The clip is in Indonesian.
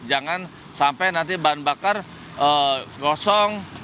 jangan sampai nanti bahan bakar kosong